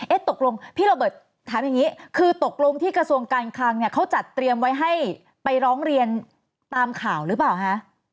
ตกลงพี่โรเบิร์ตถามอย่างนี้คือตกลงที่กระทรวงการคลังเนี่ยเขาจัดเตรียมไว้ให้ไปร้องเรียนตามข่าวหรือเปล่าคะ